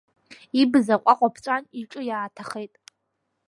Ибз аҟәаҟәа ԥҵәан, иҿы иааҭахеит.